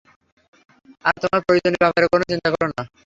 আর তোমার পরিজনের ব্যাপারে কোন চিন্তা করো না।